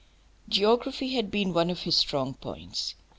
Geography had been one of his strong points.